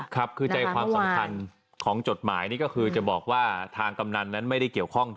ครับคือใจความสำคัญของจดหมายนี่ก็คือจะบอกว่าทางกำนันนั้นไม่ได้เกี่ยวข้อง